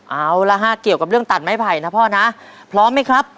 เอาละฮะเกี่ยวกับเรื่องตัดไม้ไผ่นะพ่อนะพร้อมไหมครับ